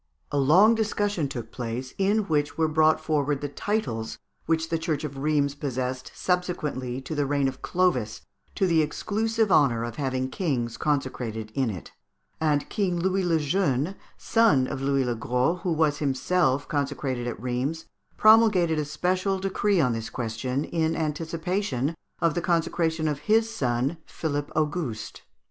A long discussion took place, in which were brought forward the titles which the Church of Rheims possessed subsequently to the reign of Clovis to the exclusive honour of having kings consecrated in it; and King Louis le Jeune, son of Louis le Gros, who was himself consecrated at Rheims, promulgated a special decree on this question, in anticipation of the consecration of his son, Philippe Auguste.